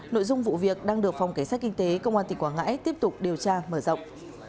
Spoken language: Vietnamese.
nội dung vụ việc đang được phòng cảnh sát kinh tế công an tỉnh quảng ngãi tiếp tục điều tra mở rộng